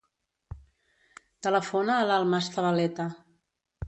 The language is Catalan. Telefona a l'Almas Zabaleta.